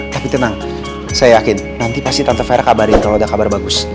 tapi tenang saya yakin nanti pasti tante fera kabarin kalo udah kabar bagus